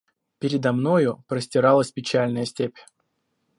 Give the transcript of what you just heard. Передо мною простиралась печальная степь.